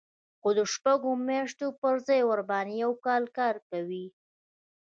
خو د شپږو میاشتو پر ځای ورباندې یو کال کار کوي